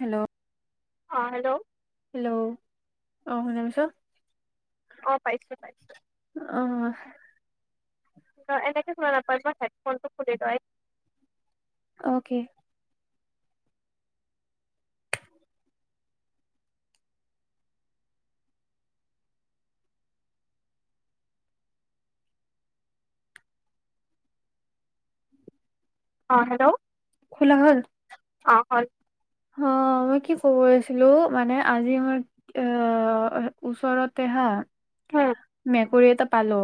Hello! অ hello! Hello, আহ শুনাপাইছা? অ পাইছো পাইছো। অ অ এনেকে শুনা নাপায়, ম‌ই হেড ফোনটো খুলি লৈ অ'কে। অ হেল্ল'! খোলা হ'ল অ হয় অ মই কি কবিছিলো মানে আজি মই এ ওচৰতে হা উম মেকুৰী এটা পালো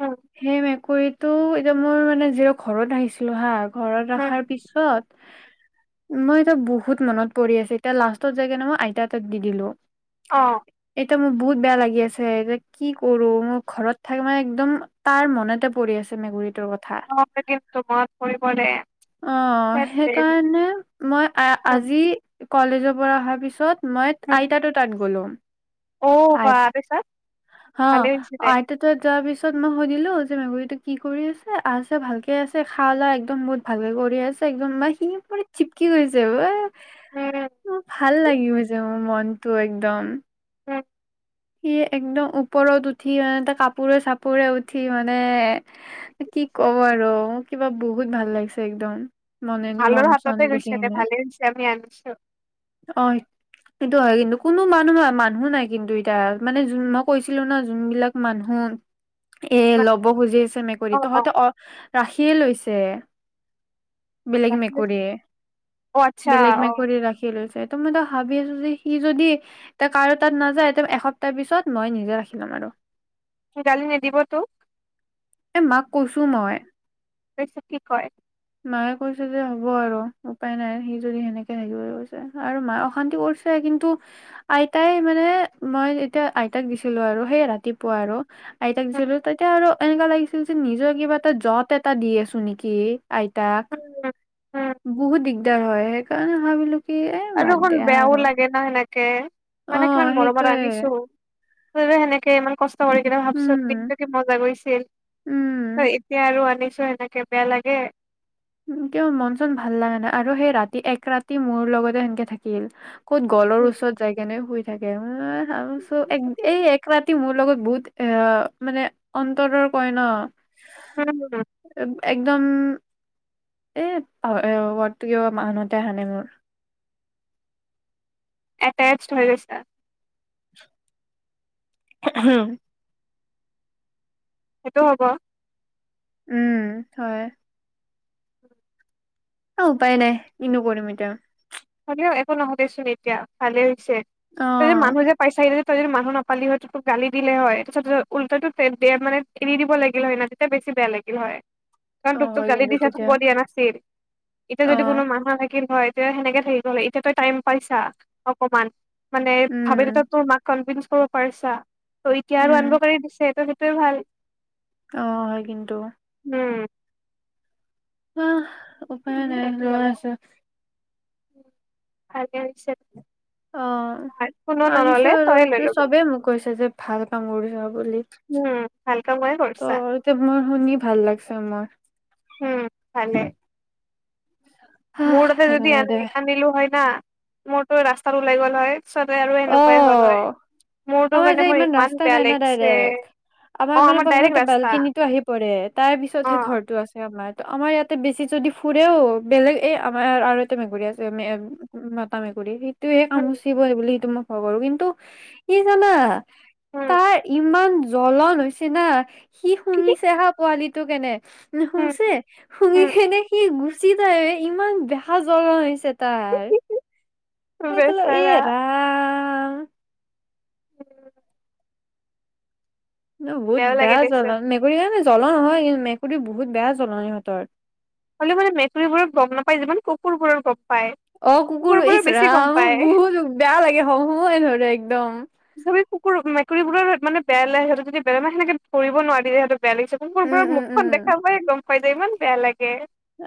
উম সেই মেকুৰীত ত' এতিয়া মই মানে যি ঘৰত আহিছিলো হা ঘৰত উম ৰখাৰ পিছত মই এইটো বহুত বহুত মনত পৰি আছে এতিয়া লাষ্টত যাইগনে মই আইতা এাত দি দিলো অ এয়া মোৰ বহুত বেয়া লাগি আছে এতিয়া কি কৰো মোৰ ঘৰত থাক মানে একদম তাৰ মনতে পৰি আছে মেকুৰীযতো অ মনত পৰিব দে অ সেইকাৰণে মই উম, আজি কলেজৰ পৰা অহাৰ পিছত মই উম। আইতাতে তাত গ'লো। অ [inaudible] বা পিছত হা, ভালে হৈছে দে আইতাৰ তাত যোৱাৰ পিছ [inaudible] মই সুধিলো, যে মেকুৰীতো কি কৰি আছে, আছে ভালকে আছে খা লা একদম বহুত ভালকে কৰি আছে একদম মানে সি পৰি চিপকি গৈছে উম অ', ভাল লাগি গৈছে মোৰ মনটো একদম [unintelligible] সি একদম ওপৰত উঠি মানে এটা কাপোৰে-চাপোৰে উঠি মানে, কি কব আৰু কিবা বহুত ভাল লাগিছে একদম। মনে ভালৰ মন চন হাততে দেখি গৈছে দে কিনে ভালে হৈছে, আমি আনিছো। অ'। সেইটো হয় কিন্তু, কোনো মানুহ ন, মানুহো নাই কিন্তু টা, মানে যো-মই কৈছিলো ন, যোনবিলাক মানুহ এ, ল'ব খুজি আছে মেকুৰী। তহঁতে অ' ৰাখিয়ে লৈছে [unintelligible] বেলেগ ৰাখি লৈছো মেকুৰীয়ে, অ আচ্ছা বেলেগ অ মেকুৰী ৰাখি লৈছে। [unintelligible] আছো যে সি যদি, এটা কাৰো তাত নাযায় এসপ্তাহ পিছত মই নিজে ৰাখি লম আৰু। গালি নিদিব তোক?। এ, মাক কৈছো মই। [unintelligible] কি কয় মায়ে কৈছে যে হ'ব আৰু উপায় নাই, সি যদি সেনেকে থাকিব কৈছে, আৰু মায়ে অশান্তি কৰিছে কিন্তু আইতাই মানে মই যেতিয়া আইতাক দিছিলো আৰু সেই ৰাতিপুৱা আৰু আইতাক উম দিছিলো ততিয়া আৰু এনেকুৱকা লাগিছিল, যে নিজৰ কিবা এটা যত এটা দি আছো নেকি এ। আইতাক। উম উম বহু দিগ দিগদাৰ হয়, সেইকাৰণে ভাবিলো কি এ আৰু বাদ অখন দিয়া আৰু বেয়াও লাগে নহয় এনক কে। অ মানে কিমান মৰমত সেইটোয়ে আনিছো। [unintelligible] সেনেকে ইমান কষ্ট কৰি কেনে ভাবচোন, উম দিনটো কি মজা গৈছিল। উম চ' এতিয়া আৰু আনিছো তোৰ এনেকে বেয়া লাগে কিয় মন-চন ভাল লাগা নাই, আৰু সেই ৰাতি এক ৰাতি মোৰ লগতে সেনকে থাকিল ক'ত গলৰ উম ওচৰত যায় কেনে শুই থাকে অ আৰু চ, এক-এই এক ৰাত মোৰ লগত বহুত এ, মানে অন্তৰৰ কয় ন উম। একদম এ পাহৰি ৱৰ্ডটো কিবা মনতে অহা নাই মোৰ। এটেচড হৈ গৈছা হম সেইটো হ'ব উম হয় অ উপায় নাই কিনো কৰিম এতিয়া হলেও একো নহ'লেচোন এতিয়া ভালে হৈছে অ', মানুহ যে পাইছা এইটো যে তই যদি মানুহ নাপালি হয় ত তোকতো গালি দিলে হয় তাৰপিছত উলতাটো মানে এৰি দিব লাগিল হয় না তেতিয়া বেছি বেয়া লাগিল হয় না কাৰণ অ', তোক তোক হয় গালি কিন্তু দিচা থব তেতিয়া দিয়া নাছিল এতিয়া যদি কোনো অ', মানুহ থাকিল হয় তে সেনেকে গল এতিয়া তই টাইম পাইছা অকমান মানে ভাবিল তই উম, তোৰ মাক কনভিনচ পৰ পাৰিছা ত' এতিয়া আৰু উম, আনিব পাৰি পিছে এটো তো ভাল অ হয় কিন্তু উম আহ উপায় নাই যোৱা আছে ভালে হৈছে অ তোমাৰ কোনো নললে আনিছো তইয়ে লৈ আৰু লবি চবেই মোক কৈছে যে ভাল পাঙ মোৰে হ বুলি উম ভাল কামে কৰিছা ত এতিয়া মোৰ শুনি ভাল লাগছে মোৰ উম ভালে হাহ মোৰ তাতে যদি সেইকাৰণে দে আনি আনিলো হয় না মোৰ তো ৰাস্তাত ওলাই গ'ল হয়। পিছতে আৰু অ এনেকুৱাই হ'ল হয় মোৰতো আমাৰ কাৰণে এতিয়া মোৰ ইমান ৰাস্তা বেয়া নাই না লাগিছে ডাইৰেক্ট। আমাৰ অ মানে ডাইৰেক্ট প্ৰথমতে ৰাস্তা বাল্কিনিটো আহি পৰে, তাৰ অ পিছতহে ঘৰটো আছে আমাৰ ত আমাৰ ইয়াতে বছি যদি ফুৰেও বেলেগ এই উম আমাৰ আৰু মেকুৰী আছে মে মতা মেকুৰী সেই তোয়ে উম কামুচিব এই বুলি মোৰ খবৰ কিন্তু কি জানা! উম তাৰ ইমান জ্বলন হৈছে না সি কি কি শুহিছে হা পোৱালি- টো কেনে? উম শুংছে শুঙি উম খেনে সি গ- চিদায়ে ইমান বেহা জ্বলা হৈছে। কি তাৰ, কি সে কলো বেচেৰা এৰা উ [unintelligible] ন বহুত বেয়াও লাগে বেয়া দেচোন জলন মেকুৰী হয় ন জ্বলন হয় মেকুৰী বহুত বেয়া জ্বলন ইহঁতৰ হ'লে মানে মেকুৰীবোৰৰ গম নাপায় যিমান কুকুৰবোৰৰ গম পায় অ কুকুৰ কুকুৰবোৰৰ ইচ বেছি গম ৰাম পায় বহুত বেয়া লাগে হমহমে ধৰে একদম কুুকুৰ মেকুৰীবোৰৰ মানে বেয়া লাগে সিহঁক যদি সেনেকে ধৰিব নোৱাৰি সিহঁতক বেয়া লাগিছে। উম কুকুৰবোৰৰ উম উম মুখখন দেখা পায় গম হয় দে ইমান বেয়া লাগে।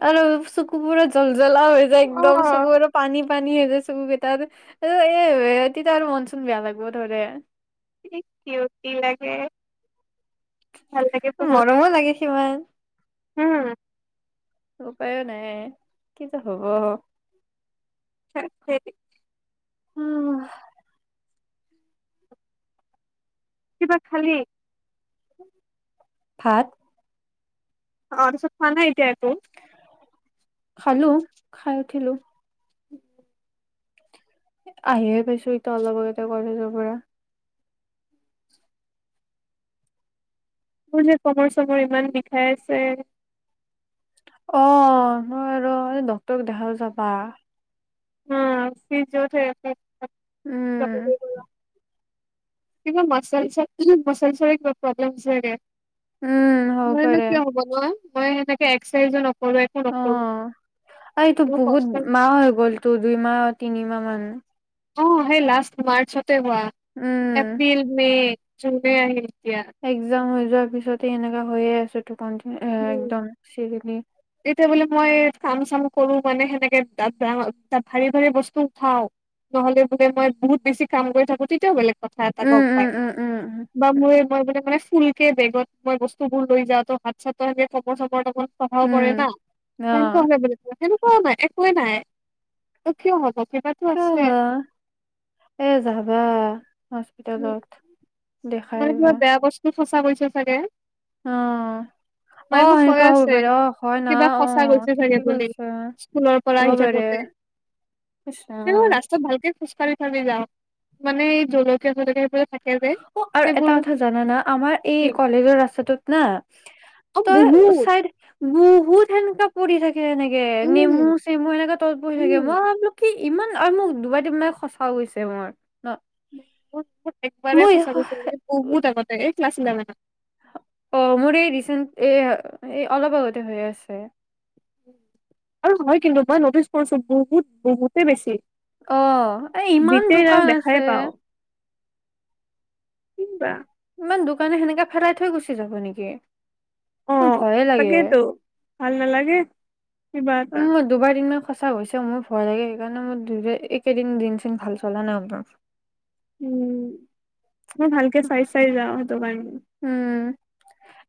আৰু চুকু পোৰা জ্বল জ্বলা হৈ যায় অ একদম চুকুবোৰে পানী পানী যে চকুকেইটাৰ। আৰু এ তেতিয়া মন চোন বেয়া লাগব ধৰে কি কিয় কি লাগে? ভাল লাগে বহুত কিমান? উম উপায়ো নাই, কি যে হব! আ [unintelligible] উম কিবা খালি? ভাত অ তাছত খোৱা নাই এতিয়া একো? খালো খাই উঠিলো। আহিয়ে পাইছো এতিয়া অলপ আগতে কলেজৰ পৰা। মোৰ যে কমৰ চমৰ ইমান বিষাই আছে। অ ন ৰ ডক্টৰক দেখাব যাবা। অ চি য থ আছে। উম। কি মছেলছ উ মছেলছৰ কিবা প্ৰলেম হয়েছে। উম হ'ব নয়নো পাৰে কিয় হ'ব ন। মই সেনেকে এক্সাইজ ন। অ আৰু এইটো মোৰ কষ্ট বহুত মাহ হৈ গলটো দুইমাহ তিনিমাহ মান। অ সেই লাষ্ট মাৰ্চত। তাৰ উম এপ্ৰিল মে। জুলাইত আহিল। এতিয়া এক্সাম। যোৱাৰ পিছতে এনেকুৱা হয়ে আছে। উম একদম চিৰিলি। এতিয়া বোলে মই কাম চাম কৰো মানে সেনেকে ভাৰী ভাৰী বস্তু খাও নহলে বোলে। মই বহুত বেছি কাম কৰি থাকো তেতিয়াও বেলেগ কথা এটা উম গম পাই উম উম উম বা উম মোৰ মই মো মানে ফুল। কে বেগত মই বস্তু বোৰ লৈ যাওঁ তো হাত-চাতে খবৰ চবৰ লগত। কৰেৰে না উম অ তেনক বুলি নু। এক নাই একোৱেই নাই কিয় হ'ব। কিবাতো কা আছে এ যাবা। উম, হস্পিটেলত। মানে কিবা বেয়া বস্তু। কছ গৈছে চাগে। অ অ মায় মোক কৈ সেনেকুৱা হ'ব আছে, পাৰে অ হয় না কিবা অ সঁচা গৈছে চাগে ঠিকে বুলি কৈছা স্কুলৰ পৰা হ'ব আহি পাৰে থাকোতে। ইচ সোৰ ৰাম ৰাস্তাত ভালকে খোজকাঢ়ি চালি যাওক মানে এই জলকীয়া জলকীয়া সবোৰে থাকে। যে অ আৰু এটা সেইবোৰ কথা জানানা আমাৰ কি এই কলেজৰ ৰাস্তাটোত না অ তই বহুত চাইদ বহুত সেনেকা পৰি থাকে এনেকে উম নেমু-চেমু এনেকা তত বহি থাকে উম মই ভাবো কি? ইমান আৰু মোক দুবাৰ তিনিবাৰ সঁচাও গৈছে। মোৰ ন উ [unintelligible] একবাৰে মই সচা কৰিচ বহুত আগতে এই ক্লাছ ইভেন। অ মোৰ এই ৰিচেণ্ট এ অলপ আগতে হৈ আছে। আৰু হয় কিন্তু মই নটিচ কৰিছো বহুত বহুতে বেছি। অ এ ইমান দোকান আছে। কিম বা, ইমান দূৰ কাৰনে সেনেকে ফেলাই থৈ গুচি যাব নেকি? অ মোৰ ভয়ে ', লাগে তাকেইতো ভাল নালাগে। কিবা এটা উম্, দুবাৰ- দিনমান, সঁচা হৈছে মোৰ ভয় লাগে সেইকাৰণে মই দুদিন একেদিন দিন- চিন ভাল চলা নাই অপোনাৰ। উম, মই ভালকে চাই -চাই যাওঁ হেতু কাৰণে। উম',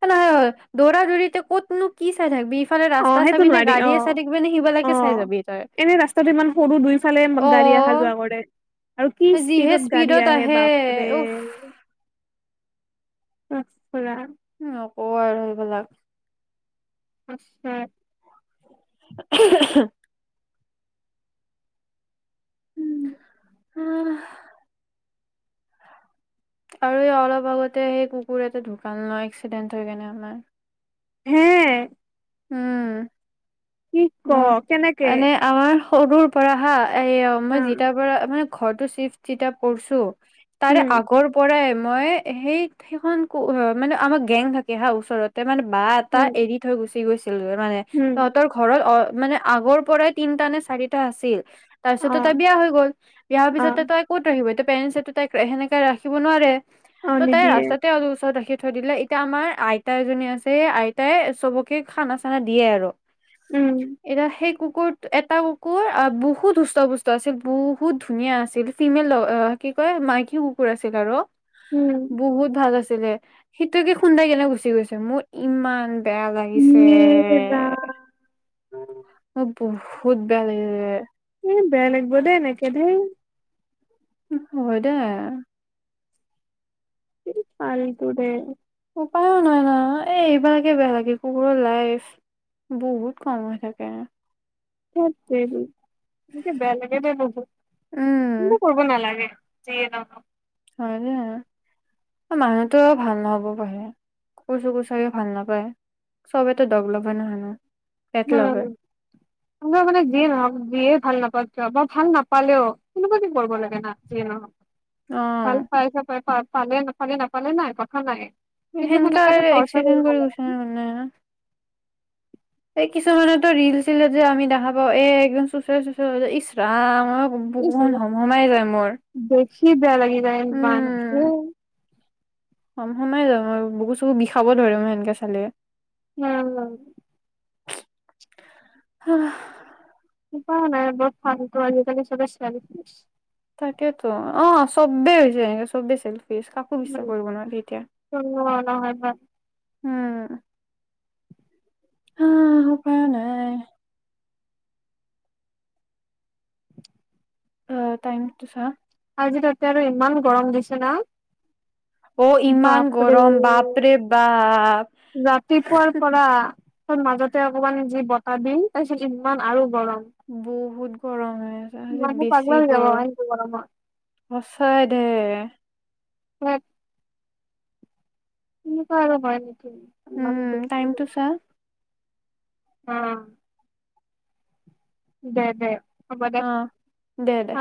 এনেওদৌৰা- দৌৰিতে ক'ত নো কি চাই থাকবি। অ ', সেইটো নোৱাৰি অ', অ সিবালাকে চাই যাবি তই ', এনে ৰাস্তাটো ইমান সৰু দুইফালে অ গাড়ী আহা -যোৱা কৰে আৰু কি স্পীডত গাড়ী আহে বাপৰে। উফ [unintelligible] নকব আৰু সেইবিলাক। আচ্ছা। [inaudible] আৰু এই অলপ আগতে সেই কুকুৰ এটা ঢুকাল ন ', এক্সিডেন্ট হৈ কেনে আমাৰ। হে, উম, কি ক কেনেকে? সগোৰ পৰাহা, আইয়ো হা মই জিতাৰ পৰা মানে, ঘৰতো চিফ্ট যিটা পৰ্চো। তাৰে উম, আগৰ পৰাই, মই সেই সেইখন ক অ', মানে আমাৰ গেং থাকে হা, ওচৰতে মানে, বাহ এটা উম, এৰি থৈ গৈছে। [unintelligible] মানে উম। তহঁতৰ ঘৰত অ', মানে আগৰ পৰাই তিনটা নে চাৰিটা আছিল। তাৰ পিছততো তাই অ', বিয়া হৈ গ'ল। বিয়া হোৱাৰ পিছত অ', ত -তাই কত আহিব। পেৰেণ্টচে টো তাইক সেনেকে ৰাখিব নোৱাৰে। অ', তাই নিদিয়ে ৰাস্তাতে অ', ওচৰত ৰাখি, থৈ দিলে এতিয়া আমাৰ আইতা এজনী আছে আইতাই চবক, কে খানা- চানা দিয়ে আৰু। উম, এতিয়া সেই কু, কুকুৰ, এটা কুকুৰ বহুত সুস্থ পুষ্ট আছিল বহুত ধুনীয়া আছিল ফিমেল কি কয় মাইকী কুকুৰ আছিল আৰু। উম। বহুত ভাল আছিল। ছিলে সেইটোকে খুন্দাই কেনে গুচি গৈছে মোৰ ইমান বেয়া, চে, ইয়ে অ', ৰাম - বহুত বেয়া লাগিলে। এ বেয়া লাগিব দেই এনেকে ধেই হয় দে পাৰিলো দে উপায়ো নাই না এই এইবাৰকে বেয়া লাগে কুকুৰৰ লাইফ বহুত কম হৈ থাকে স উ এনেকে বেয়া লাগে ব ন চিন্তা উম কৰিব নালাগে জি নহক হয়নে মানুহতো আৰু ভাল নহব পঢ়ে কুৰ চু কু চাগে ভাল নাপায় চবেতো দগ লাভা নহায়নো উম আাৰ মানে যিয়ে নহওক যিয়ে ভাল নাপাওঁ যাবৰ ভাল নাপালেও কোনকুৱা কৰিব লাগে না যিয়ে নহওক ভাল অ' পাইছ পাই থাক পালে নাপালে নাপালে নাই কথা নাই কিন্তু সেনেক সেনেকুৱাতো টৰ্চাৰ কৰিব এক্সিডেণ্ট কৰি নালাগে গৈছে ন মানে এই কিছুমানতো ৰিল চিল যে আমি দেখা পাও এ একদম চুঁচৰা চুচৰা ইচৰাম বুকুখন হম হমাই যায় মোৰ উ [unintelligible] বেয়া লাগি যায় [unintelligible] কম সময় [unintelligible] বুকু চকু বিষাব ধৰিব সেনেকে চালে উম হ আহ উপাই নাই বৰ ফালটো আজিকালি চবে [unintelligible] তাকেতো অ চবে হৈ হৈছে অ চবে [unintelligible] বিশ্বাস কৰিব নোৱাৰি এতিয়া উম [unintelligible] উম অ উপায় নাই অ টাইমটো ছা আজি তাতে আৰু ইমান গৰম দিছে না অ ইমান গৰম বাপৰে ৰাতিপুৱাৰ বাপ পৰা মাজতে অকমান যি বতাহ দিম তাৰ পিছত ইমান আৰু গৰম বহুত গৰম আজি মানুহ পাগলা বেচি হৈ যাব এনেকে গৰমত [unintelligible] সঁচাই দে উম অলপমান [unintelligible] উম টাইমটো চা উম দে দে হ'ব অ দে দে